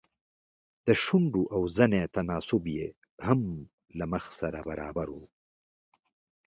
د شونډو او زنې تناسب يې هم له مخ سره برابر و.